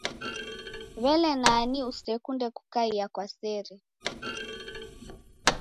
W'ele nani usekunde kukaia kwa sere?